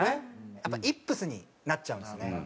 やっぱイップスになっちゃうんですね。